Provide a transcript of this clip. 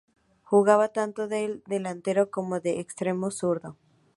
Jugaba tanto de delantero como de extremo zurdo.